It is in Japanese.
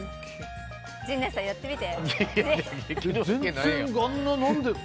陣内さんやってみて。